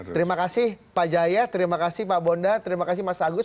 terima kasih pak jaya terima kasih pak bonda terima kasih mas agus